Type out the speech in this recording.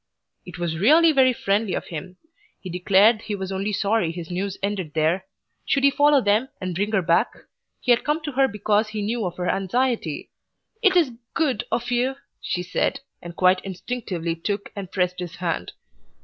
It was really very friendly of him. He declared he was only sorry his news ended there. Should he follow them, and bring her back? He had come to her because he knew of her anxiety. "It is GOOD of you," she said, and quite instinctively took and pressed his hand.